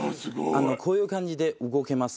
こういう感じで動けます。